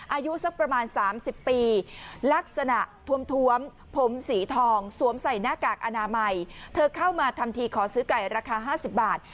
อายุสักประมาณ๓๐ปีลักษณะทวมผมสีทองสวมใส่หน้ากากอนามัยเธอเข้ามาทำทีขอซื้อไก่ราคา๕๐บาท